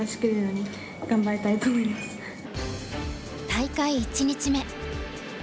大会１日目。